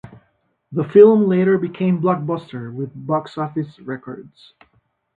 The film later became blockbuster with box office records.